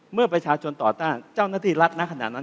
เมื่อประชาชนต่อต้านเจ้าหน้าที่รัฐณขณะนั้น